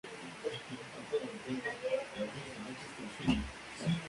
Una hambruna le llevó a ser aún más despreciado.